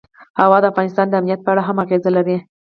هوا د افغانستان د امنیت په اړه هم اغېز لري.